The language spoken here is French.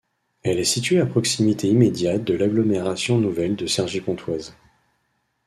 Elle est située à proximité immédiate de l'agglomération nouvelle de Cergy-Pontoise.